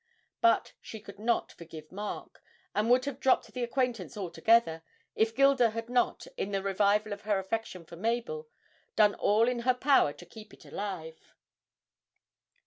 But she could not forgive Mark, and would have dropped the acquaintance altogether, if Gilda had not, in the revival of her affection for Mabel, done all in her power to keep it alive.